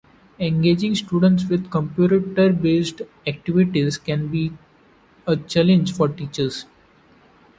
Engaging students with computer-based activities can be a challenge for teachers.